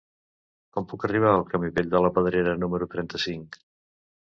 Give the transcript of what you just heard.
Com puc arribar al camí Vell de la Pedrera número trenta-cinc?